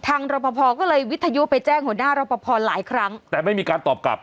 ทางรับประพอก็เลยวิทยุไปแจ้งหัวหน้ารับประพอหลายครั้งแต่ไม่มีการตอบกลับ